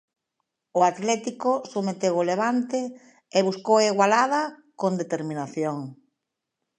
O Atlético someteu o Levante e buscou a igualada con determinación.